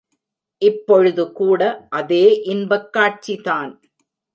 இப்பொழுதுகூட அதே இன்பக் காட்சிதான்!